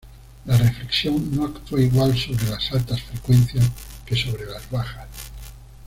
La reflexión no actúa igual sobre las altas frecuencias que sobre las bajas.